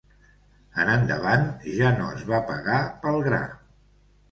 En endavant ja no es va pagar pel gra.